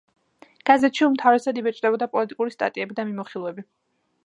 გაზეთში უმთავრესად იბეჭდებოდა პოლიტიკური სტატიები და მიმოხილვები.